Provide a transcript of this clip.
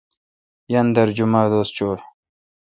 یاندر جمعہ دوس چویں۔